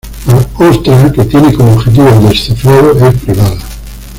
La otra, que tiene como objetivo el descifrado, es privada.